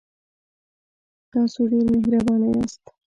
تاسو ډیر مهربانه یاست.